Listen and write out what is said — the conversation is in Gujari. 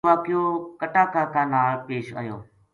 یو ہ واقعو کٹا کاکا نال پیش آیو